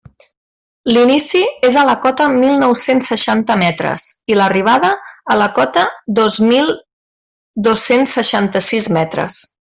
L'inici és a la cota mil nou-cents seixanta metres, i l'arribada, a la cota dos mil dos-cents seixanta-sis metres.